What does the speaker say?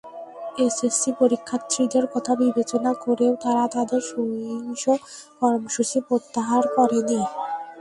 SSC পরীক্ষার্থীদের কথা বিবেচনা করেও তারা তাদের সহিংস কর্মসূচি প্রত্যাহার করেনি।